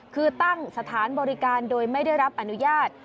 คือตั้งสถานบริการโดยไม่ได้รับอนุญาต